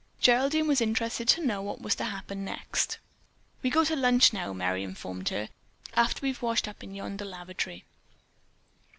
Geraldine was interested to know what was to happen next. "We go to lunch now," Merry informed her. "After we've washed up in yonder lavatory."